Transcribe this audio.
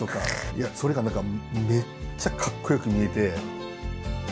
いやそれが何かめっちゃかっこよく見えて。